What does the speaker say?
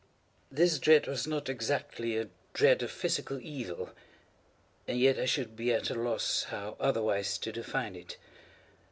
This dread was not exactly a dread of physical evil—and yet I should be at a loss how otherwise to define it.